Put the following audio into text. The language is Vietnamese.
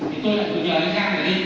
thế tôi lại gửi về cho anh ấy